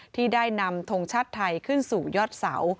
ที่ได้นำทงชาติไทยขึ้นสู่ยอดเสา